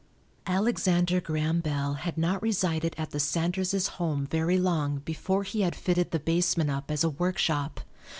Alexander Graham Bell had not resided at the Sanderses' home very long before he had fitted the basement up as a workshop.